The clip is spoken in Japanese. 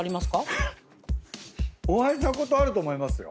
お会いしたことあると思いますよ。